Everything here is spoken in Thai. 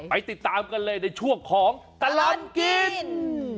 ติดตามกันเลยในช่วงของตลอดกิน